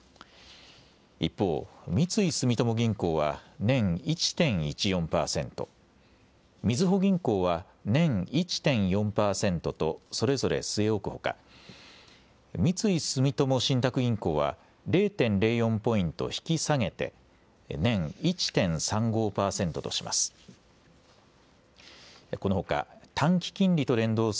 一方、三井住友銀行は年１．１４％、みずほ銀行は年１．４％とそれぞれ据え置くほか三井住友信託銀行は０．０４ポイント引き下げて年１．３５％とします。